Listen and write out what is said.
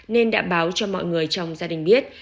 nên đã báo cho mọi người trong gia đình biết